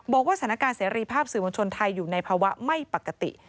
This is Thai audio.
บอกว่าสถานการณ์เสรีภาพสื่อมวลชนไทยอยู่ในภาวะไม่ปกติ